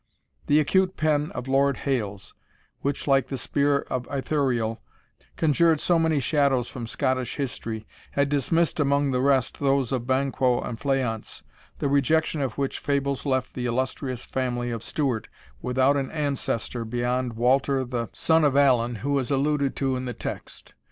The acute pen of Lord Hailes, which, like the spear of Ithuriel, conjured so many shadows from Scottish history, had dismissed among the rest those of Banquo and Fleance, the rejection of which fables left the illustrious family of Stewart without an ancestor beyond Walter the son of Allan, who is alluded to in the text.